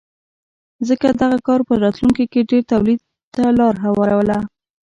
ځکه دغه کار په راتلونکې کې ډېر تولید ته لار هواروله